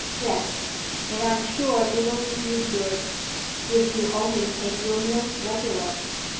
"Yes; and I am sure it will do you good, if you only take your meals regular.